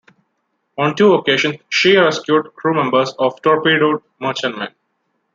On two occasions, she rescued crew members of torpedoed merchantmen.